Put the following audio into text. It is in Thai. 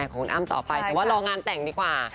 ครับผม